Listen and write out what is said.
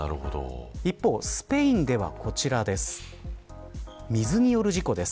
一方、スペインではこちらです。